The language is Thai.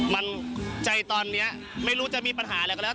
มันใจตอนนี้ไม่รู้จะมีปัญหาอะไรก็แล้ว